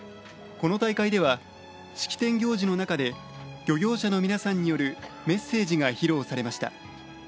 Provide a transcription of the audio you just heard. この大会では、式典行事の中で漁業者の皆さんによるメッセージが披露されました。